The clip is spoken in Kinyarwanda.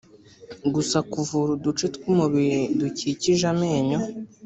gusa kuvura uduce tw umubiri dukikije amenyo